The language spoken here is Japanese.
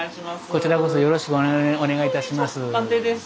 こちらこそよろしくお願いいたします。